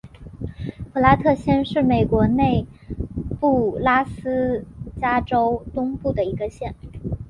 普拉特县是美国内布拉斯加州东部的一个县。